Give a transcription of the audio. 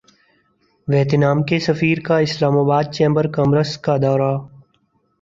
Vietnam کے سفیر کا اسلام باد چیمبر کامرس کا دورہ